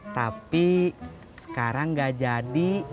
tapi sekarang gak jadi